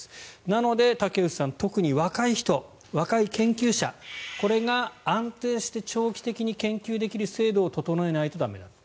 なので、竹内さん特に若い人、若い研究者これが安定して長期的に研究できる制度を整えないと駄目なんだ。